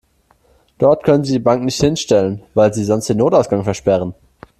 Dort können Sie die Bank nicht hinstellen, weil Sie sonst den Notausgang versperren.